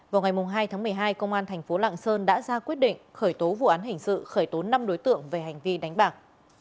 vào ngày hai tháng một mươi hai công an thành phố lạng sơn đã ra quyết định khởi tố vụ án hình sự khởi tố năm đối tượng về hành vi đánh bạc